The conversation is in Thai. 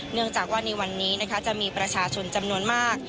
เนื่องจากว่าในวันนี้นะคะจะมีประชาชนจำนวนมาก